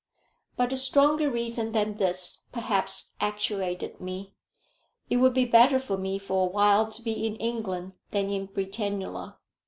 But a stronger reason than this perhaps actuated me. It would be better for me for a while to be in England than in Britannula.